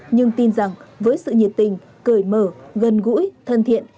nhưng tin rằng với sự nhiệt tình cởi mở gần gũi thân thiện